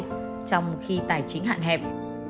hằng ở trong khi tài chính hạn hẹp